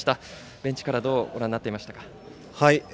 ベンチからどうご覧になっていましたか。